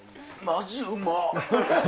マジうま。